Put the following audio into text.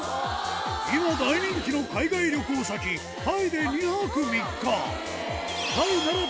今、大人気の海外旅行先、タイで２泊３日。